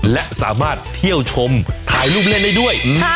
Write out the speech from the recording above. และสามารถเที่ยวชมถ่ายรูปเล่นได้ด้วย